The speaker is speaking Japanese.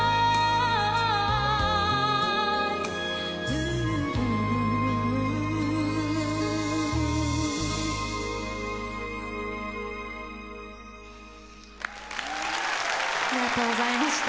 Ｕｈ ありがとうございました。